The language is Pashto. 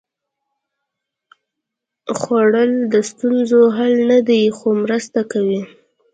خوړل د ستونزو حل نه دی، خو مرسته کوي